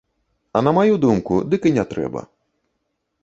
А на маю думку, дык і не трэба.